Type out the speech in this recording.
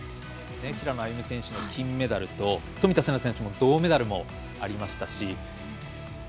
平野歩夢選手の金メダル冨田せな選手の銅メダルもありました。